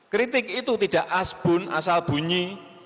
kritik itu tidak asbun asal bunyi